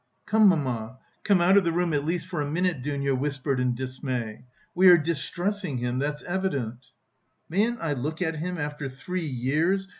"Come, mamma, come out of the room at least for a minute," Dounia whispered in dismay; "we are distressing him, that's evident." "Mayn't I look at him after three years?"